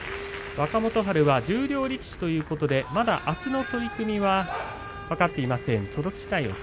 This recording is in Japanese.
若元春、十両力士ということでまだあすの取組は決まっていません。